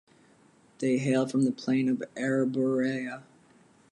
They hail from the Plane of Arborea.